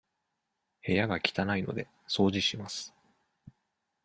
部屋が汚いので、掃除します。